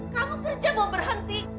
kamu kerja mau berhenti